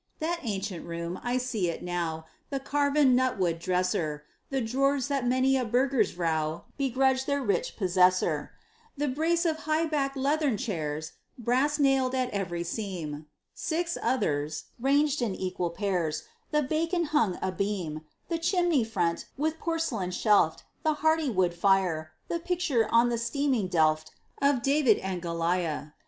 That ancient room! I see it now: The carven nutwood dresser; The drawers, that many a burgher's vrouw Begrudged their rich possessor; The brace of high backed leathern chairs, Brass nailed at every seam; Six others, ranged in equal pairs; The bacon hung abeam; The chimney front, with porcelain shelft; The hearty wooden fire; The picture, on the steaming delft, Of David and Goliah.